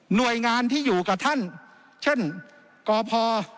หน่วยงานที่อยู่กับท่านเช่นกพ